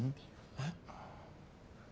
えっ？